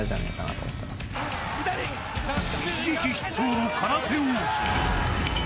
一撃必倒の空手王子。